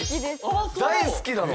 大好きなの？